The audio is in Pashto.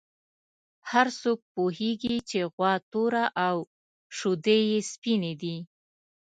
هر څوک پوهېږي چې غوا توره او شیدې یې سپینې دي.